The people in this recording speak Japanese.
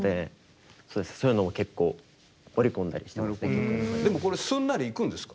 まあ僕はでもこれすんなりいくんですか？